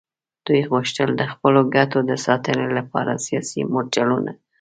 دوی غوښتل د خپلو ګټو د ساتنې لپاره سیاسي مورچلونه وکیني.